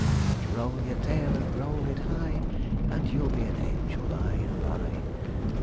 . But roll your tail, And roll it high, And you'll be an angel By and by. .